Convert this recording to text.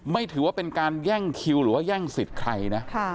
ถือว่าเป็นการแย่งคิวหรือว่าแย่งสิทธิ์ใครนะ